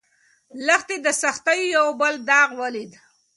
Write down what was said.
لښتې د سختیو یو بل داغ ولید.